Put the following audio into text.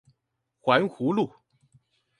環湖路